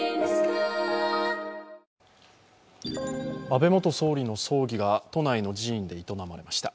安倍元総理の葬儀が都内の寺院で営まれました。